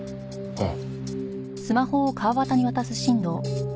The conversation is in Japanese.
ああ。